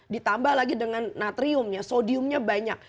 ditambah lagi dengan natriumnya sodiumnya banyak